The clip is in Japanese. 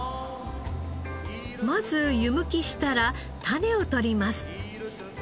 まず湯むきしたら種を取ります。